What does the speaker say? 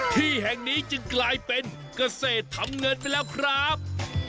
ที่แห่งนี้จึงกลายเป็นเกษตรทำเงินไปแล้วครับ